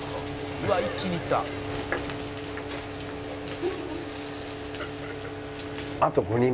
「うわっ一気にいった」倍。